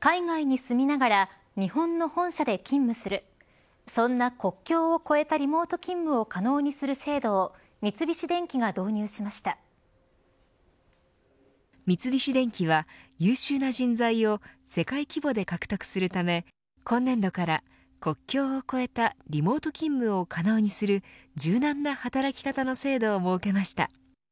海外に住みながら日本の本社で勤務するそんな国境を越えたリモート勤務を可能にする制度を三菱電機は優秀な人材を世界規模で獲得するため今年度から国境を越えたリモート勤務を可能にする柔軟な働き方の制度を設けました。